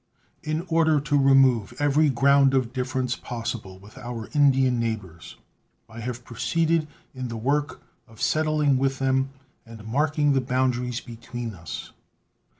In order to remove every ground of difference possible with our Indian neighbors, I have proceeded in the work of settling with them and marking the boundaries between us.